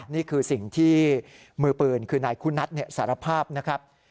นี่คือสิ่งที่มือปืนคือนายคุณัทสารภาพนะครับ